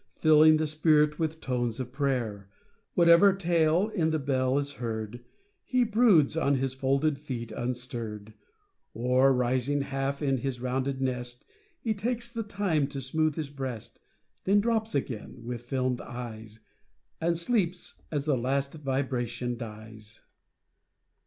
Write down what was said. Filling the spirit with tones of prayer Whatever tale in the bell is heard, lie broods on his folded feet unstirr'd, Oi, rising half in his rounded nest. He takes the time to smooth his breast. Then drops again with fdmed eyes, And sleeps as the last vibration dies.